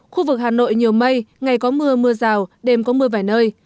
khu vực hà nội nhiều mây ngày có mưa mưa rào đêm có mưa vài nơi